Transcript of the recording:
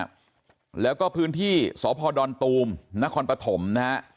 แล้วก็พื้นที่สพดอนตูมนครปฐมนะฮะ